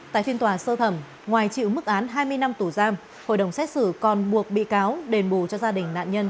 tại phiên tòa sơ thẩm ngoài chịu mức án hai mươi năm tù giam hội đồng xét xử còn buộc bị cáo đền bù cho gia đình nạn nhân